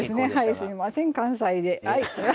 すいません関西で。